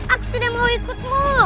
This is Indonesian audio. aku tidak mau ikutmu